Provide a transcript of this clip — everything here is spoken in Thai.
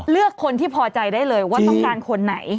เลือกคนที่พอใจได้เลยว่าต้องการคนไหน